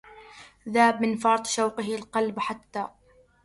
ذاب من فرط شوقه القلب حتى